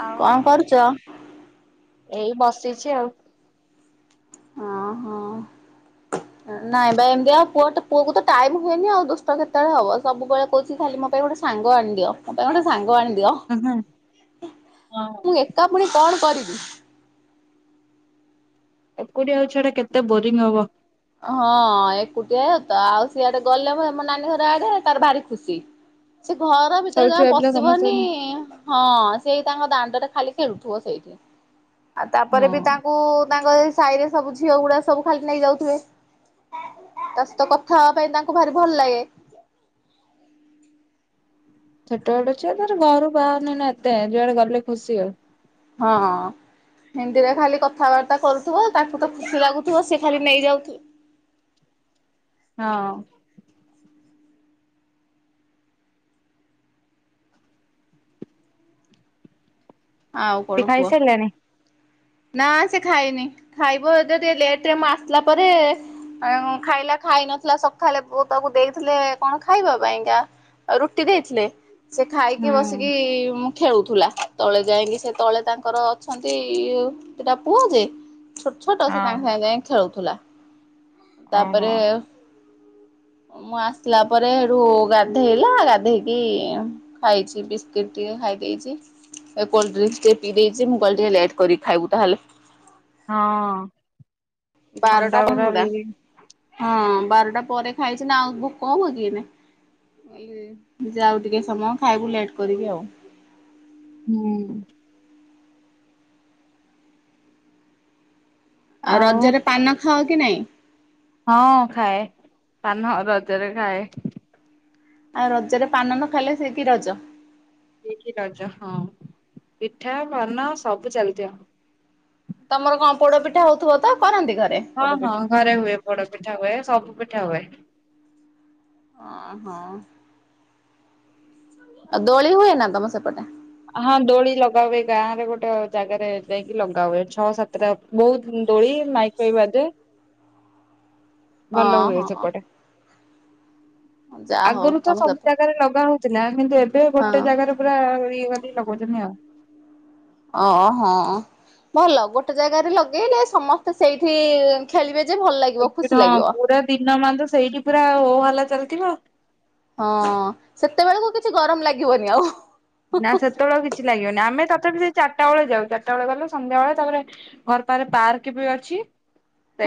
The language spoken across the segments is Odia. ଆଉ କଣ କରୁଚ? ସିଚି ଆଉ। ହଁ ହଁ ନାଇଁ ବା ଏମତି ଆଉ ପୁଅ ଟ ପୁଅକୁ ତ ଟାଇମ ହୁଏନି ଆଉ ଦୁଷ୍ଟ କେତୋଳେ ହବ ସବୁବେଳେ କୋହୁଚି ଖାଲି ମୋ ପାଇଁ ଗୋଟେ ସାଙ୍ଗ ଆଣିଦିଅ ମୋ ପାଇଁ ଗୋଟେ ସାଙ୍ଗ ଆଣି ଦିଅ ହଁ ହଁ ମୁଁ ଏକା ପୁଣି କଣ କରି [inaudible] ଏକୁଟିଆ ଆଉ ଛୁଆଟା କେତେ ବୋରିଂ ହବ? ହଁ ଏକୁଟିଆ ତ ଆଉ ସିଆଡେ ଗଲେ ଭ ମୋ ନାନୀ ଘର ଆଡ଼େ ତାର ଭାରି ଖୁସି। ସେ ଘର ଭିତରେ ସବୁ ଜମା ଛୁଆ ପିଲା ସମସ୍ତେ ପଶିବନି ହଁ ହଁ ସେଇ ତାଙ୍କ ଦା ତାରେ ଖାଲି ଖେଳୁଥୁବ ସେଇଠି। ଆଉ ତାପରେ ବି ତାଙ୍କୁ ତାଙ୍କ ଏ ସାଇରେ ସବୁ ଝିଅ ଗୁଡ଼ା ସବୁ ଖାଲି ନେଇଯାଉଥୁବେ। ତା ସଇତ କଥା ହବା ପାଇଁ ତାଙ୍କୁ ଭାରି ଭଲ ଲାଗେ। ଛୋଟ ବଟ ଛୁଆ ତାର ଘରୁ ବାହାରୁନେଇ ନାଁ ଏତେ ଯୁଆଡ଼େ ଗଲେ ଖୁସି ଆଉ। ହଁ ହିନ୍ଦୀରେ ଖାଲି କଥାବାର୍ତ୍ତା କରୁଥୁବ ତାକୁ ତ ଖୁସି ଲାଗୁଥୁବ ସିଏ ଖାଲି ନେଇ ଯାଉଥୁବେ। ହଁ। ଆଉ ସେ କଣ କୁହ। ଖାଇସାରିଲାଣି? ନାଁ ସେ ଖାଇନି ଖାଇବ ଯଦି ଲେଟରେ ମୁଁ ଆସିଲା ପରେ ଅଁ ଖାଇଲା ଖାଇ ନଥିଲା ସଖାଳେ ବୋଉ ତାକୁ ଦେଇଥିଲେ କଣ ଖାଇବା ପାଇଁକା ରୁଟି ଦେଇଥିଲେ। ସେ ଖାଇକି ହୁଁ। ବସିକି ମୁ ଖେଳୁଥୁଲା ତଳେ ଯାଇଁକି ସେ ତଳେ ତାଙ୍କର ଅଛନ୍ତି ଇଉ ସେଟା ପୁଅ ଯେ ଛୋଟ ଛୋଟ ସେ ହଁ ତାଙ୍କ ସାଙ୍ଗେ ଯାଇଁ ଖେଳୁଥୁଲା। ତାପରେ ଓହୋ ମୁଁ ଆସିଲା ପରେ ହେଟୁ ଗାଧେଇଲା ଗାଧେଇକି ଖାଇଛି ବିସ୍କୁଟ ଟିକେ ଖାଇଦେଇଛି ଏଇ କୋଲ୍ଡଡ୍ରିଙ୍କସ ଟିକେ ପିଇ ଦେଇଛି ମୁଁ କହିଲି ଟିକେ ଲେଟ୍ କରି ଖାଇବୁ ତାହେଲେ ହଁ। ଥଣ୍ଡା ବାରଟା ପୁରା [unintelligible] ବି ହଁ ବାରଟା ପରେ ଖାଇଛି ନା ଆଉ ଭୁକ ହବକି ଏଇନେ ଯାଉ ଟିକେ ସମୟ ଖାଇବୁ ଲେଟ କରିକି ଆଉ। ହୁଁ। ଆଉ ରଜରେ ପାନ ଖାଅ କି ନାଇଁ ହଁ ଖାଏ ପାନ ରଜରେ ଖାଏ। ଆଉ ରଜରେ ପାନ ନ ଖାଇଲେ ସେ କିି ରଜ ସେ କି ରଜ ହଁ ପିଠା ପାନ ସବୁ ଚାଲିଥିବ। ତମର କଣ ପୋଡ ପିଠା ହଉଥିବ ତ କରନ୍ତି ଘରେ? ହଁ ହଁ ପୋଡପିଠା ଘରେ ହୁଏ ପୋଡ଼ପିଠା ହୁଏ ସବୁ ପିଠା ହୁଏ। ହଁ ହଁ ଆଉ ଦୋଳି ହୁଏନା ତମ ସେପଟେ ହଁ ଦୋଳି ଲଗାହୁଏ ଗାଁରେ ଗୋଟେ ଜାଗାରେ ଯାଇକି ଲଗାହୁଏ ଛଅ ସାତଟା ବହୁତ ଦୋଳି ମାଇକ ଫାଇକ ବାଜେ। ଭଲ ହଁ ହୁଏ ହଁ ସେପଟେ ଯାହା ହଉ ଆଗରୁ ତ ତମ ସବୁ ସେପ ଜାଗାରେ ଲଗାହଉ [unintelligible] କିନ୍ତୁ ଏବେ ଗୋଟେ ହଁ ଜାଗାରେ ପୁରା ଇଏ [unintelligible] ଓହୋ ଭଲ ଗୋଟେ ଜାଗାରେ ଲଗେଇଲେ ସମସ୍ତେ ସେଇଠି ଖେଳିବେ ଯେ ଭଲ ଲାଗିବ [unintelligible] ଖୁସି ହଁ ଲାଗିବ। ପୁରା ଦିନ ମାନ ସେଇଠି ପୁରା ହୋହଲ୍ଲା ଚାଲ୍ [unintelligible] ହଁ ସେତେବେଳକୁ କିଛି ଗରମ ଲାଗିବନି ଆଉ ନା ସେତେବେଳ ଆଉ କିଛି ଲାଗିବନି ଆମେ ତ ସେ [unintelligible] ଚାରିଟା ବେଳେ ଯାଉ ଚାରିଟା ବେଳେ ଗଲେ ସନ୍ଧ୍ୟା ବେଳେ ତାପରେ ଘର ପାଖରେ ପାର୍କ ବି ଅଛି।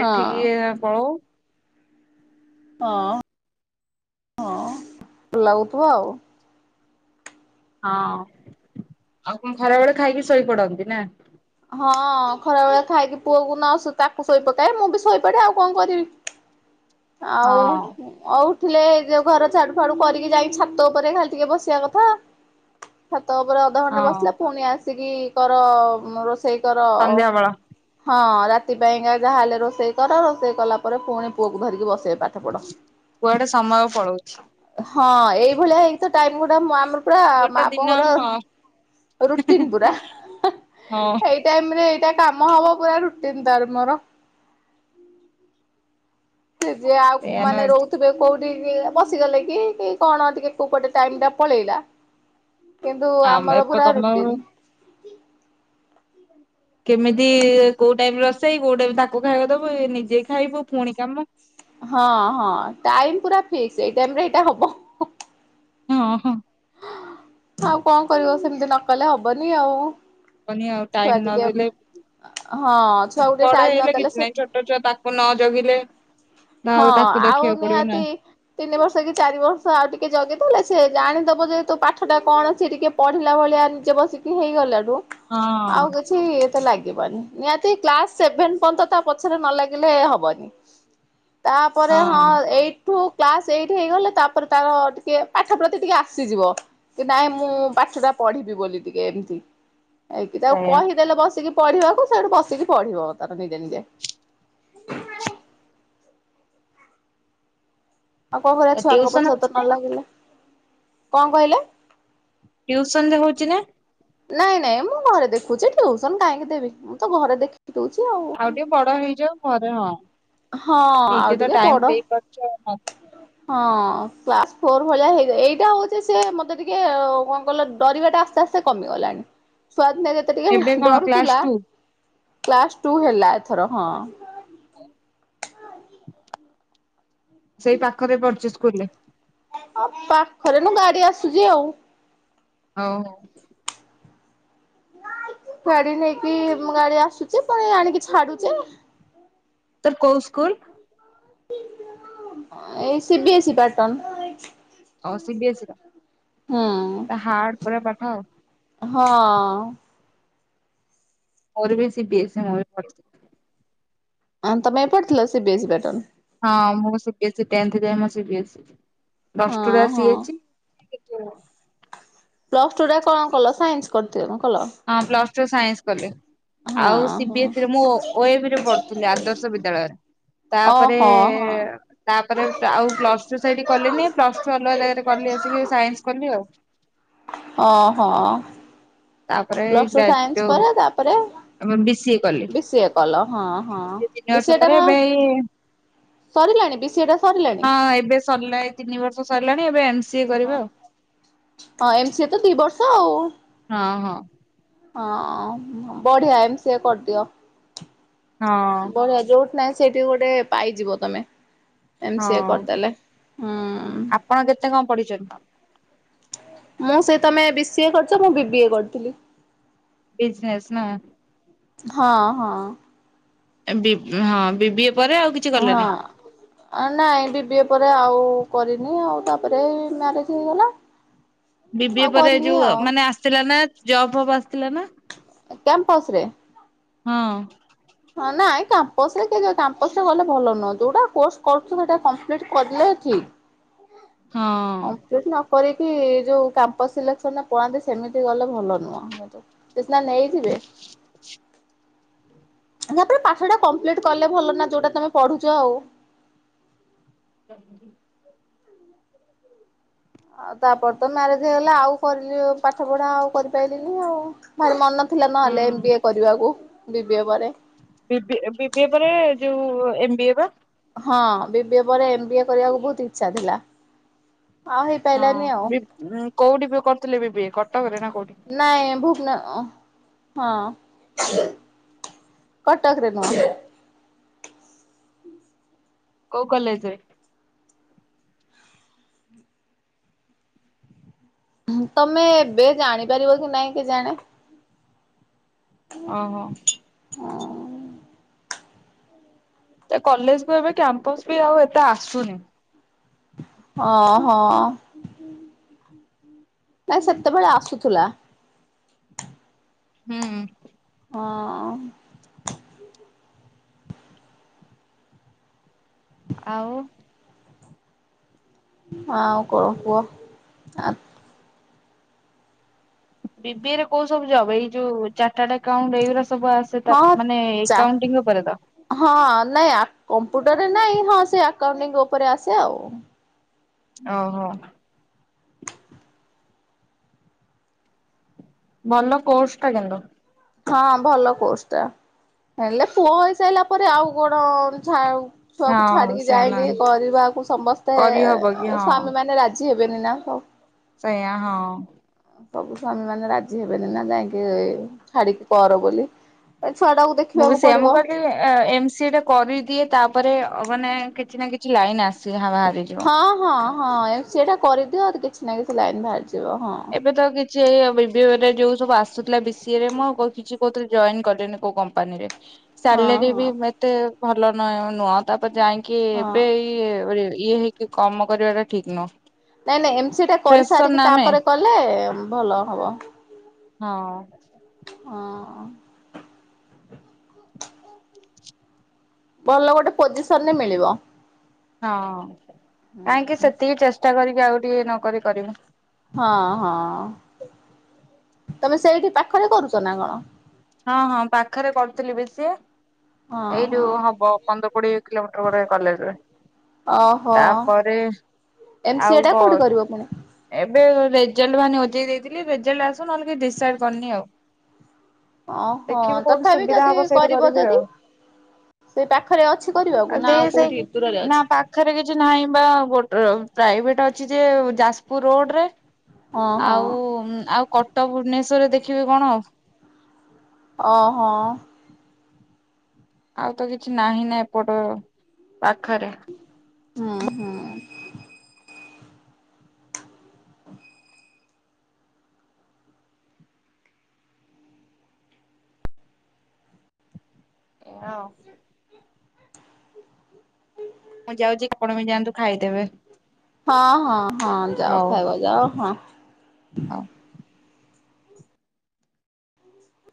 ହଁ ପଳଉ ହଁ ହଁ [unintelligible] ଲାଗୁଥିବ ଆଉ ହଁ ଆଉ କଣ ଖରାବେଳେ ଖାଇକି ଶୋଇପଡନ୍ତି ନା ହଁ ଖରା ବେଳା ଖାଇକି ପୁଅକୁ ନ ଆସି ତାକୁ ଶୋଇ ପକାଏ ମୁଁ ବି ଶୋଇପଡେ ଆଉ କଣ କରିବି। ହଁ ଆଉ ଆଉ। ଥିଲେ ଯୋଉ ଘର ଝାଡୁ ଫାଡୁ କରିକି ଯାଇକି ଛାତ ଉପରେ ଖାଲି ଟିକେ ବସିବା କଥା ତାପରେ ଅଧଘଣ୍ଟା ହଁ ବସିଲା ପୁଣି ଆସ ତିକି କର ରୋଷେଇ କର ଅ ସନ୍ଧ୍ୟା ବେଳ ହଁ ରାତି ପାଇଁକା ଯାହାହେଲେ ରୋଷେଇ କର ରୋଷେଇ କଲା ପରେ ପୁଣି ପୁଅକୁ ଧରିକି ବସେଇ ପାର କୁଆଡେ ସମୟ ପଳଉଛି ହଁ ଏଇଭଳିଆ ହେଇକ ଟାଇମ ଗୁଡା ମ ଆମର ପୁରା ମା ଗୋଟେ ଦିନ ହଁ ପୁଅଙ୍କର ରୁଟିନ ପୁରା ହଁ ଏଇ ଟାଇମ ରେ ଏ କାମ ହବ ପୁରା ରୁଟିନ ତାର ମୋର ସେ ଯେ ଆଉ ସେଇଆ ମାନେ ନୁହେଁ କି ରହୁଥିବେ କୋଉ ବସିଗଲେ କି କି କଣ ଟିକେ କୋଉପଟେ ଟାଇମ ଟା ପଳେଇଲା। କିନ୍ତୁ ଆମ ଆମର ଏପ ପୁରା ତମ ରୁଟିନ୍ କେମିତି କୋଉ ଟାଇମରେ ରୋଷେଇ କୋଉ ଟାଇମ ତାକୁ ଖାଇବାକୁ ଦବୁ ନିଜେ ଖାଇବୁ ପୁଣି କାମ ହଁ ହଁ ଟାଇମ ପୁରା ଫିକ୍ସ ଏଇ ଟାଇମ୍ ରେ ଏଇଟା ହବ ହଁ ହଁ ଆଉ କଣ କରିବ ସେମିତି ନ କଲେ ହବନି ଆଉ। ହବନି ଆଉ ଛୁଆ ଟାଇମ ନ ଟିକେ ନଦେଲେ ହଁ ଛୁଆକୁ ଟିକେ ବଡ ଟାଇମ ହେଲେ ନଦେଲେ ସେ କିଛି ନାହିଁ ଛୋଟ ଛୁଆ ତାକୁ ନ ଜଗିଲେ ହଁ ଆଉ ତାକୁ ଆଉ ଦେଖିବାକୁ ପଡିବ ନା ନିହାତି ତିନି ବର୍ଷ କି ଚାରି ବର୍ଷ ଆଉ ଟିକେ ଜଗିଦଲେ ସେ ଜାଣିଦବ ଯେହେ ତୁ ପାଠ ଟା କଣ ସିଏ ଟିକେ ପଢିଲା ଭଳିଆ ନିଜେ ବସିକି ହେଇଗଲା ଓଁ ହଁ ଆଉ କିଛି ତ ଲାଗିବନି ନିହାତି କ୍ଲାସ ସେଭେନ ପର୍ଯ୍ୟନ୍ତ ତା ପଛରେ ନ ଲାଗିଲେ ହବନି। ତାପରେ ହଁ ଏଇଠୁ କ୍ଲାସ ଏଇଟ ହେଇଗଲେ ତାପରେ ତାର ଟିକେ ପାଠ ପ୍ରତି ଟିକେ ଆସିଯିବ କି ନାଇଁ ମୁଁ ପାଠ ଟା ପଢିବି ବୋଲି ଟିକେ ଏମିତି ହେଇକି ତାଉ ସେଇଆ କହିଦେଲେ ବସିକି ପଢିବାକୁ ସେଠୁ ବସିକି ପଢିବ ତାର ନିଜେ ନିଜେ ଆଉ କଣ କରିବା ଛୁଆଙ୍କ ଟିଉସନ ପଛ ହଉଛି ତ ନ ନା ଲାଗିଲେ କଣ କହିଲେ? ଟିଉସନରେ ହଉଛି ନା? ନାଇଁ ନାଇଁ ମୁଁ ଘରେ ଦେଖୁଛି ଟ୍ୟଉସନ କାହିଁକି ଦେବି ମୁଁ ତ ଘରେ ଦେଖ ଆଉ ଟିକେ ବଡ ହେଇଜାଉ ପରେ ହଁ ହଁ ଆଉ ନିଜେ ତ ଟିକେ ବଡ ଟାଇମ ଦେଇ ପଛ ହଁ କ୍ଲାସ ଫୋର ଭଳିଆ ହେଇଯ ଏଇଟା ହଉଛି ସେ ମତେ ଟିକେ କଣ କଲ ଡରିବା ଟା ଆସ୍ତେ ଆସ୍ତେ କମିଗଲାଣି। ସ୍ଵଦ ନେଇ ଦେ ତ ଏବେ ଟିକେ କଣ ଡର ଥୁଲା କ୍ଲାସ ଟୁ କ୍ଲାସ ଟୁ ହେଲା ଏଥର ହଁ ସେଇ ପାଖରେ ପଡିଚ କିଲେ [unintelligible] ଆଉ ପାଖରେନୁ ଗାଡି ଆସୁଛି ଆଉ ହଉ। ଗାଡି ନେଇକି ଗାଡି ଆସୁଛି ପୁଣି ଆଣିକି ଛାଡୁଛି ତାର କୋଉ ସ୍କୁଲ? ଏଇ ସି ବିି ଏ ସି ପାଟର୍ଟ ହଉ ସି ବିି ଏ ସି ର ହୁଁ ତା ହାର୍ଡ଼ ପୁରା ପାଠ ଆଉ। ହଁ ମୋର ବି ସିବି ଏସ ହଁ ତମେ ଏପଟ ଥିଲ ସି ବି ଏ ସି ପାର୍ଟନ ହଁ ମୁଁ C B S C tenth ଯାଏଁ ମୋର C B S C plus two ରେ ହଁ ହଁ। ଆସିଯାଇଛି। ପ୍ଲସ୍ ଟୁ ରେ କଣ କଲ ସାଇନ୍ସ କଲି ତେଣୁ ହଁ ପ୍ଲସ୍ ଟୁ ସାଇନ୍ସ ଗଲେ। ହଁ ଆଉ ସି ବି ହଁ। ଏସ୍ ସି ରେ ମୁଁ ଓ ଏ ବି ରେ ପଢୁଥିଲି ଆଦର୍ଶ ବିଦ୍ୟାଳୟରେ ତାପରେ ଓହୋ ହଁ ତାପରେ ଆଉ ପ୍ଲସ ଟୁ ସେଇଠି କଲିି ନି ପ୍ଲସ ଟୁ ଅଲଗା ଜାଗାରେ କଲି ଆସିକି ସାଇନ୍ସ କଲି ଆଉ ଓ ହୋ ତାପରେ ତାପରେ [unintelligible] ବି ସି ଏ କଲି ବି ସିଏ କଲ ହଁ ହଁ ଦି ତିନି ବି ବର୍ଷ ସିଏ ଟା ପରେ କଣ ଏବେ ଏଇ ସରିଲାଣି ବି ସିଏ ଟା ସରିଲାଣି ହଁ ଏବେ ସରିଲା ଏ ତିନି ବର୍ଷ ସରିଲାଣି ଏବେ ସି ଏ ହଁ କରିବା ଆଉ। ହଁ ଏମ୍ ସି ଏ ତ ଦି ବର୍ଷ ଆଉ ହଁ ହଁ। ହଁ ବଢିଆ ଏମ୍ ସିଏ କରିଦିଅ। ହଁ ବଢିଆ ଯେଉଁଠି ନାଇଁ ସେଇଠି ଗୋଟେ ପାଇଯିବ ତମେ ଏମ୍ ସି ଏ ହଁ। କରିଦେଲେ ହମ୍ ପଢ଼ିଛନ୍ତି। ମୁଁ ସେ ତମେ ବି ସି ଏ କରିଛ ମୁଁ ବି ବି ଏ କରିଥିଲି। ବିଜନେସ୍ ନା ହଁ ହଁ। ଏ ବି ହଁ ବି ବି ହଁ ନା ଏବେ ବି ଏ ଆଉ କରିନି ଆଉ ତାପରେ ମ୍ୟାରେଜ ହେଇଗଲା। ବି ବି ଏ ଆଉ ପରେ କରିନି ଯୋଉ ଆଉ ମାନେ ଆସିଥିଲା ନା ଜବ୍ ଫବ୍ ଆସିଥିଲା ନା। କ୍ୟାମ୍ପସ ରେ ହଁ। ହଁ ନାଇଁ କ୍ୟାମ୍ପସରେ କେଜାଣି କ୍ୟାମ୍ପସରେ ଗଲେ ଭଲ ନୁହଁ ଯୋଉଟା କୋସ କରୁଛୁ ସେଟା କପ୍ଲ କଲେ ଠିକ୍ ହଁ। କରିକି ଯୋଉ କାମ୍ପସ ସିଲେକ୍ସନ ଟ ପଳାନ୍ତି ସେମିତି ଗଲେ ଭଲ ନୁହଁ ସେ ସିନା ନେଇଯିବେ। ତାପରେ ପାଠ ଟା କମ୍ପ୍ଲିଟ କଲେ ଭଲ ନା ଯୋଉଟା ତମେ ପଢୁଚ ଆଉ [unintelligible] ହଁ ତାପରେ ତ ମ୍ୟାରେଜ ହେଇଗଲା ଆଉ କରିଲି ପାଠ ପଢା ଆଉ କରିପାରଲିିନି ଆଉ ଭାରି ମନ ଥିଲା ହୁଁ ନହେଲେ ଏମ ବି ଏ କରିବାକୁ। ବିିବିଏ ପରେ। ବିବିଏ ପରେ ଯୋଉ ଏମବି ଏ ବା। ହଁ ବିିବିଏ ପରେ ଏମବିଏ କରିବାକୁ ବହୁତ ଇଛା ଥିଲା। ଆଉ ହଁ ହେଇପାରିଲାନି ଆଉ ବି କୋଉଠି ବି କରୁଥିଲେ ବିି ବି କଟକରେ ନା କୋଉଠି? ଓ ହଁ କଟକରେ ନହେଲେ କୋଉ କଲେଜ ରେ? ତମେ ଏବେ ଜାଣିପାରିବ କି ନାଇଁ କି ଜାଣେ? ଓହୋ [unintelligible] ଏ କଲେଜକୁ ଏବେ କ୍ୟାମ୍ପସ ବି ଆଉ ଏତେ ଆସୁନି ଅ ହ ନାଇ ସେତେବେଳେ ଆସୁଥୁଲା। ହୁଁ। ହଁ। ଆଉ ଆଉ କଁ କୁହ ଆ। ବିବିରେ କୋଉ ସବୁ ଯବ ଏଇ ଯୋଉ ଚାଟାଟ ଆକାଉଣ୍ଟ ଏଇ ଗୁରା ହଁ ଚା ଉପରେ ତ ହଁ ନାଇଁ ଆ କମ୍ପ ଡରେ ନାଇଁ ହଁ ସେ ଆକାଉଣ୍ଟିଂ ଉପରେ ଆସେ ଆଉ। ଓହୋ। ଭଲ କୋର୍ସ ଟା କିନ୍ତୁ। ହଁ ଭଲ କୋର୍ସଟା ହେଲେ ପୁଅ ହେଇସାରିଲା ପରେ ଆଉ କଣ ଛା ଛୁଆକୁ ହଁ ଛାଡିକି ସେୟା ଯାଇକି ନୁହେଁ କରିବାକୁ ସମସ୍ତେ କରିହବ କି ଏ ସ୍ଵାମୀ ମାନେ ରାଜି ଜିବେନି ନା ହଉ। ସେଇଆ ହଁ। ସବୁ ସ୍ଵାମୀ ମାନେ ରାଜି ହେବେନି ନା ଯାଇକି ଛାଡିକି କର ବୋଲି। ଛୁଆ ଟାକୁ ମୁଁ ଵି ଦେଖିବାକୁ ସେୟା ପଡିବ। ମୁଁ ଭାଲି ଅ ଏମ ସି ଟା କରିଦିଏ ତାପରେ ଉପରେ ଅ ମାନେ କିଛି ନା କିଛି ଲାଇନ୍ ଆସ ଚିହା ବାହାରିଯିବ। ହଁ ହଁ ହଁ ସେଇଟା କରିଦିଅ କିଛି ନା କିଛି ଲାଇନ୍ ବାହାରିଛି। ଯିବ ହଁ। ସେୟା ବିଵିଏମ ରେ ଯୋଉ ସବୁ ଆସୁଥିଲା ବି ସିଏ ରେ ମୁଁ ଆଉ କଉ କିଛି କୋଉଥିରେ ଜଏନ୍ କଲିନି କୋଉ କମ୍ପାନୀରେ। ହଁ ସାଲାରୀ ହଁ ବି ମୋତେ ଭଲ ନେ ନୁଅ ତା ଯାଇଙ୍କି ହଁ। ଏବେ ଏଇ ଏଓରେ ଇଏ ହେଇକି କମ କରିବା ଟା ଠିକ ନୁହଁ। ନାଇଁ ନାଇଁ ଏମସିଏ ଟା ଫ୍ରେସର କରିସାରିକି ନା ଆମେ ତାପରେ କଲେ ଏମ୍ ଭଲ ହବ। ହଁ। ଅଁ, ଭଲ ଗୋଟେ ପୋଜିସନ୍ ରେ ମିଳିବ। ହଁ କାହିଁକି ସେତିକି ଚେଷ୍ ଷ୍ଟା କରିକି ଆଉ ଟିକେ ନ କରି କରିବୁ। ହଁ ହଁ ତୋମେ ସେଇଠି ପାଖରେ କରୁଚ ନା କଣ? ହଁ ହଁ ପାଖରେ କରୁଥିଲି ବି ସିଏ। ହଁ ଏଇଟୁ ହଁ ହବ ପନ୍ଦର କୋଡିଏ କିଲୋମିଟର ଗୋଟେ କଲେଜ, ଓହୋ ତାପରେ ଏମ ସି ଏ ଆଉ ଟା କ କୋଉଠି କରିବ ପୁଣି? ଏବେ ରେ ରେଜଲ୍ଟ ବାହାରିନି ହଜେଇ ଦେଇଥିଲେ ରେଜଲ୍ଟ ଆସ ତ ନହେଲେ କି ଡିସାଇଡ୍ କରିନି ଆଉ। ଓହୋ ଦେଖିବୁ କୋଉଠି ତଥାପି ସୁବିଧା ଯଦି ହବ ସେଇଠି କରିବ କରିବି ଯଦି ଆଉ, ସେଇ ପାଖରେ ଅଛି କରିବାକୁ ଆଉ ନା ଦେଇ ସେଇ କୋଉଠି ଦୂରରେ ନା ଅଛି? ପାଖରେ କିଛି ନାହିଁ ବା ଗୋଟେ ପ୍ରାଇଭେଟ୍ ଅଛି ଯେ ଯା ସେ ରୋଡ୍ ରେ ହଁ ହଁ ଆଉ ଉଁ ଆଉ କ ତ ଭୁବନେଶ୍ୱରରେ ଦେଖିବି କଣ। ଓ ହୋ। ଆଉ ତ କିଛି ନାହିଁ ନା ଏପଟ ପାଖରେ ହଁ, ହଁ। ଇଣ ମୁଁ ଯାଉଚି ଆପଣ ବି ଯାଆନ୍ତୁ ଖାଇଦେବେ। ହଁ ହଁ ହଁ ଯାଅ ଖାଇବା ଯାଅ ହଁ। ହଁ।